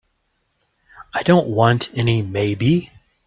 I don't want any maybe.